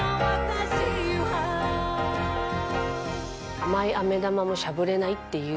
甘いあめ玉もしゃぶれないっていう